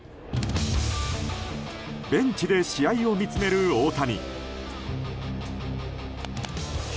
ベンチで試合を見つめる大谷。